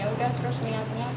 yaudah terus niatnya kayak gitu